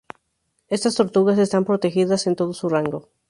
Estas tortugas están protegidas en todo su rango.